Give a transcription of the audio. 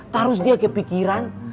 taruh dia ke pikiran